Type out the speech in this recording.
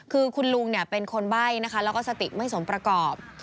คือคุณลุงเป็นคนใบ้นะคะแล้วก็สติไม่สมประกอบ